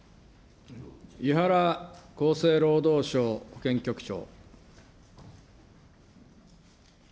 伊原厚生労働省保険局長。